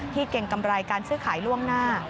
เก่งกำไรการซื้อขายล่วงหน้า